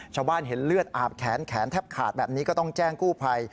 ชาวบ้านเห็นเลือดอาบแขนแขนแทบขาดแบบนี้ก็ต้องแจ้งกู้ภัย